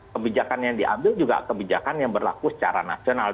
kebijakan yang diambil juga kebijakan yang berlaku secara nasional